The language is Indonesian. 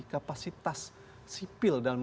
kapasitas sipil dalam